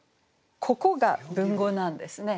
ここが文語なんですね。